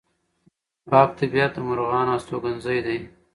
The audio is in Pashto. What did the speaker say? پاک طبیعت د مرغانو استوګنځی دی.